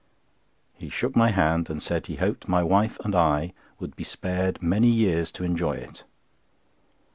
He shook my hand, and said he hoped my wife and I would be spared many years to enjoy it.